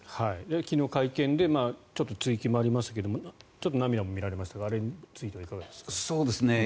昨日会見でちょっと追及もありましたがちょっと涙も見られましたがあれについてはいかがですか？